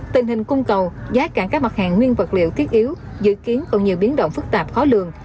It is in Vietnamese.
tình hình cung cầu giá cả các mặt hàng nguyên vật liệu thiết yếu dự kiến còn nhiều biến động phức tạp khó lường